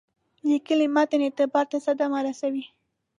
لیکلي متن اعتبار ته صدمه رسوي.